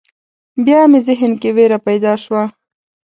بیا مې ذهن کې وېره پیدا شوه.